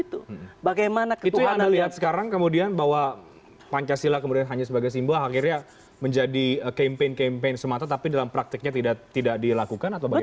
itu yang anda lihat sekarang kemudian bahwa pancasila kemudian hanya sebagai simbol akhirnya menjadi campaign campaign semata tapi dalam praktiknya tidak dilakukan atau bagaimana